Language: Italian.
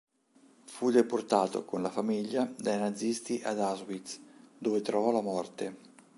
Fu deportato con la famiglia dai nazisti ad Auschwitz, dove trovò la morte.